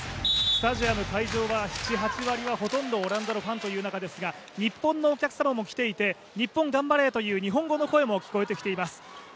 スタジアム、会場は７８割はほとんどオランダのお客さんという感じですが日本のお客様も来ていてニッポン、頑張れという日本語の声も聞こえてきています。